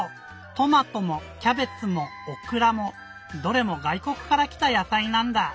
「トマト」も「キャベツ」も「オクラ」もどれもがいこくからきたやさいなんだ！